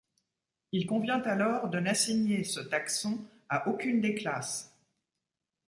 Il convient alors de n'assigner ce taxon à aucune des classes.